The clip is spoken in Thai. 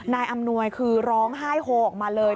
อำนวยคือร้องไห้โฮออกมาเลย